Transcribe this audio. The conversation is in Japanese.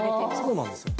そうなんですよ。